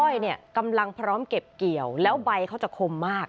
อ้อยเนี่ยกำลังพร้อมเก็บเกี่ยวแล้วใบเขาจะคมมาก